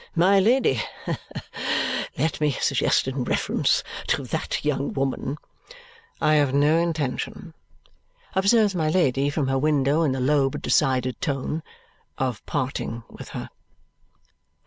My Lady, let me suggest in reference to that young woman " "I have no intention," observes my Lady from her window in a low but decided tone, "of parting with her."